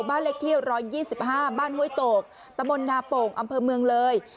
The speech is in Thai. บ้านเล็กที่๑๒๕บ้านห้วยโตกตะมนต์นาโป่งอำเภอเมืองเลย